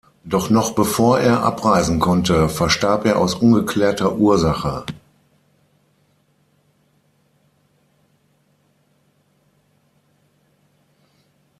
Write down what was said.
Doch noch bevor er abreisen konnte, verstarb er aus ungeklärter Ursache.